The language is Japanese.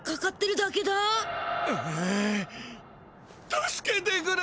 助けてくれ！